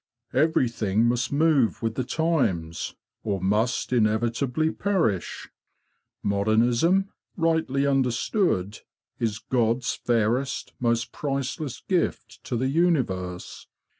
"Everything must move with the times, or must inevitably perish. Modernism, rightly understood, is God's fairest, most priceless gift to the universe.